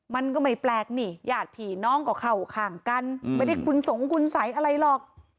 มันก็ไม่แปลกนี่ญาติผีน้องก็เข้าข้างกันไม่ได้คุณสงคุณสัยอะไรหรอก